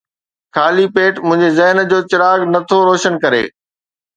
خالي پيٽ منهنجي ذهن جو چراغ نه ٿو روشن ڪري